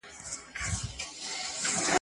د فرېګيا ساى بېلي